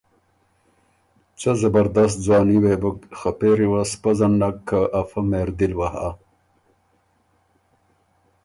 څۀ زبردست ځواني وې بُک خه پېری وه سو پزن نک، که ا فۀ مهردل وه هۀ۔